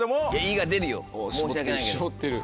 「い」が出るよ申し訳ないけど。